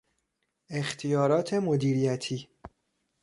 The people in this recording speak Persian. اختیارات مدیریتی